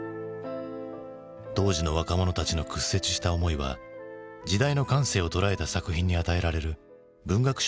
当時の若者たちの屈折した思いは時代の感性を捉えた作品に与えられる文学賞にもかいま見える。